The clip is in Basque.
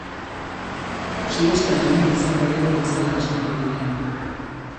Siesta egin izan bagenu bezala esnatu ginen.